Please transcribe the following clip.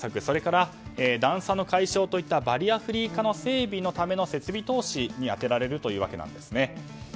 それから段差の解消といったバリアフリー化の整備のための設備投資に充てられるということです。